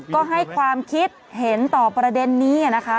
ก็ให้ความคิดเห็นต่อประเด็นนี้นะคะ